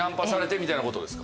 みたいなことですか？